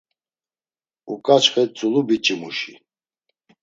Uǩaçxe tzulu biç̌imuşi…